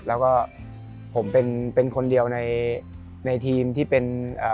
แล้วก็ผมเป็นคนเดียวในทีมที่เป็น